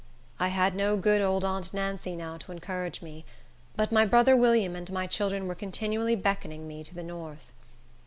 I had no good old aunt Nancy now to encourage me; but my brother William and my children were continually beckoning me to the north.